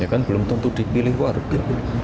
ya kan belum tentu dipilih warga